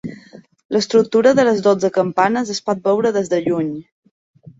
L'estructura de les dotze campanes es pot veure des de lluny.